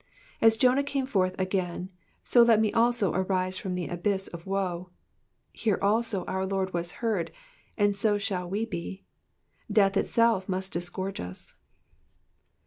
^^ As Jonah came forth again, so let me also arise from the abyss of woe ; here also our Lord was heard, and so shall we be. Death itself must disgorge us.